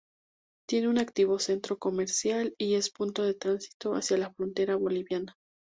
Tiene un activo centro comercial y es punto de tránsito hacia la frontera boliviana.